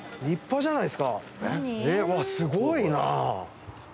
すごいな。